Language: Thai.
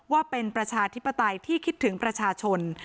ว่าเป็นประชาธิปไตยที่คิดถึงประชาชน